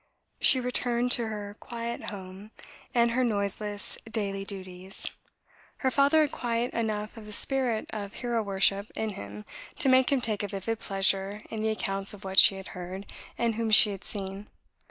She returned to her quiet home, and her noiseless daily duties. Her father had quite enough of the spirit of hero worship in him to make him take a vivid pleasure in the accounts of what she had heard and whom she had seen.